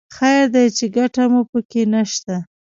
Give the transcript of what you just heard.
خیر دی چې ګټه مو په کې نه شته.